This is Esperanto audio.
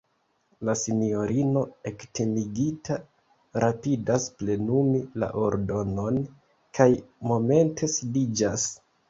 La sinjorino ektimigita rapidas plenumi la ordonon kaj momente sidiĝas.